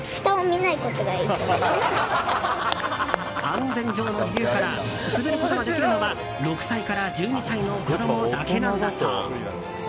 安全上の理由から滑ることができるのは６歳から１２歳の子供だけなんだそう。